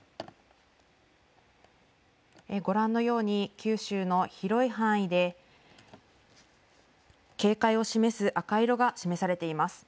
ご覧のように九州の広い範囲で警戒を示す赤色が示されています。